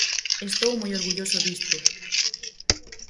Estou moi orgulloso disto.